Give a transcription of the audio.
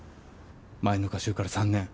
前の歌集から３年。